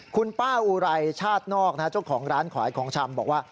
คุณป้าอุไรชาตินอกเจ้าของร้านขายของชำบอกว่า